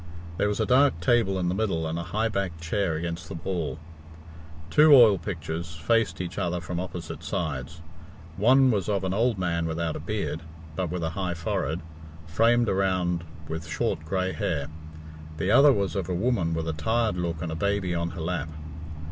There was a dark table in the middle and a high backed chair against the wall. Two oil pictures faced each other from opposite sides. One was of an old man without a beard, but with a high forehead, framed around with short grey hair. The other was of a woman with a tired look and a baby on her lap.